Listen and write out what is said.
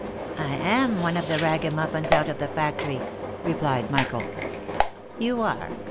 " I am one of the raggamuffins out of the factory," replied Michael. " You are